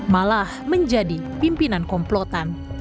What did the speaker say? malah menjadi pimpinan komplotan